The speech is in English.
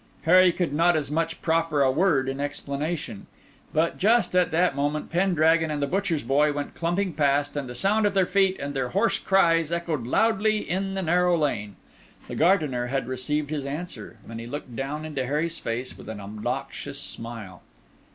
Harry could not as much as proffer a word in explanation. But just at that moment Pendragon and the butcher's boy went clumping past, and the sound of their feet and their hoarse cries echoed loudly in the narrow lane. The gardener had received his answer; and he looked down into Harry's face with an obnoxious smile.